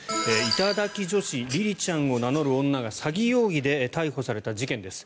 頂き女子りりちゃんを名乗る女が詐欺容疑で逮捕された事件です。